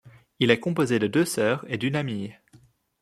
Il est composé deux sœurs et d'une amie.